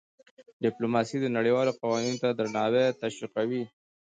ډيپلوماسي د نړیوالو قوانینو ته درناوی تشویقوي.